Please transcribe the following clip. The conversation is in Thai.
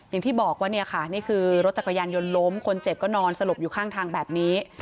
อย่างที่บอกว่าเนี่ยค่ะนี่คือรถจักรยานยนต์ล้มคนเจ็บก็นอนสลบอยู่ข้างทางแบบนี้